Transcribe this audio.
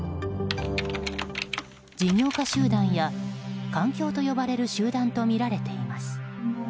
事業家集団や環境と呼ばれる集団とみられています。